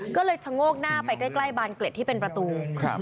ก็เลยชะโงกหน้าไปใกล้บานเกล็ดที่เป็นประตู